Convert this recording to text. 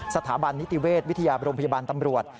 สถาบันนิติเวชวิทยาโรงพยาบาลตำรวจ